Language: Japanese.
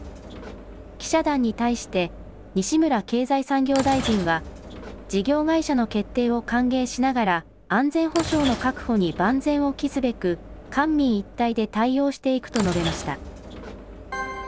記者団に対して、西村経済産業大臣は、事業会社の決定を歓迎しながら、安全保障の確保に万全を期すべく、官民一体で対応していくと述べました。